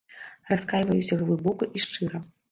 Раскайваюся глыбока і шчыра.